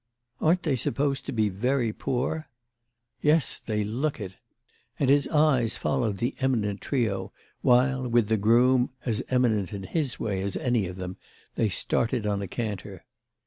"Aren't they supposed to be very poor?" "Yes, they look it!" And his eyes followed the eminent trio while, with the groom, as eminent in his way as any of them, they started on a canter.